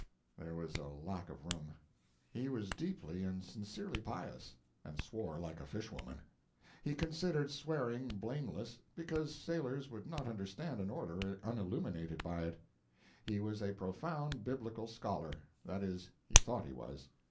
(There was a lack of room.) He was deeply and sincerely pious, and swore like a fishwoman. He considered swearing blameless, because sailors would not understand an order unillumined by it. He was a profound biblical scholar that is, he thought he was.